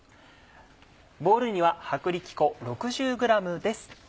ボウルには薄力粉６０ｇです。